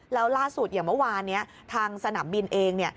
แล้วล่าสุดอย่างเมื่อวานนี้ทางสนามบินเองเนี่ย